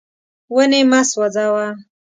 ونې مه سوځوه.